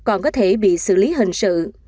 còn có thể bị xử lý hình sự